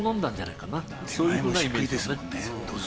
そういうふうなイメージですね。